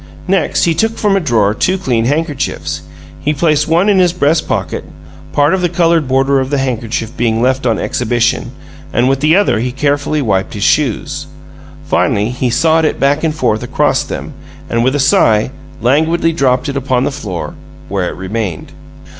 Next, he took from a drawer two clean handkerchiefs. He placed one in his breast pocket, part of the colored border of the handkerchief being left on exhibition, and with the other he carefully wiped his shoes. Finally, he sawed it back and forth across them, and, with a sigh, languidly dropped it upon the floor, where it remained.